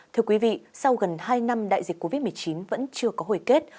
thưa quý vị sau gần hai năm đại dịch covid một mươi chín vẫn chưa có hồi kết